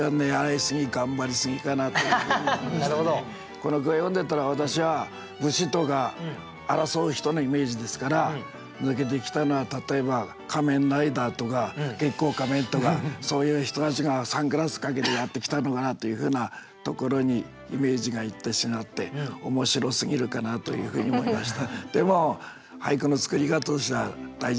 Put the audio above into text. この句を読んでたら私は武士とか争う人のイメージですから抜けてきたのは例えば仮面ライダーとか月光仮面とかそういう人たちがサングラスかけてやってきたのかなというふうなところにイメージがいってしまって面白すぎるかなというふうに思いました。